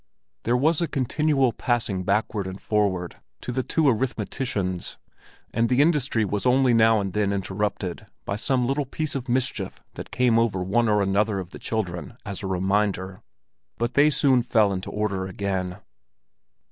There was a continual passing backward and forward to the two arithmeticians, and the industry was only now and then interrupted by some little piece of mischief that came over one or another of the children as a reminder; but they soon fell into order again.